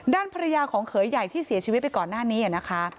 ด้านภรรยาของเขยใหญ่ที่เสียชีวิตไปก่อนหน้านี้นะคะ